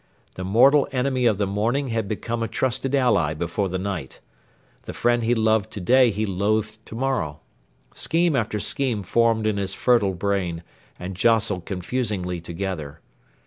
The mortal enemy of the morning had become a trusted ally before the night. The friend he loved to day he loathed to morrow. Scheme after scheme formed in his fertile brain, and jostled confusingly together.